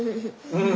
うん。